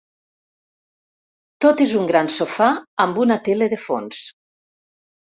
Tot és un gran sofà amb una tele de fons.